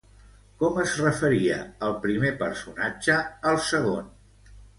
Com es referia el primer personatge al segon?